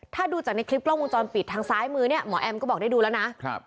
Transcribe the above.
ถ้าดูจากในคลิปกล้องวงจรปิดทางซ้ายมือเนี่ยหมอแอมก็บอกได้ดูแล้วนะครับ